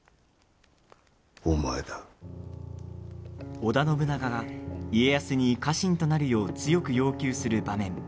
織田信長が家康に家臣となるよう強く要求する場面。